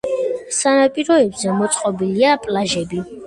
სანაპიროებზე მოწყობილია პლაჟები.